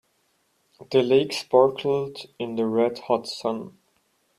The lake sparkled in the red hot sun.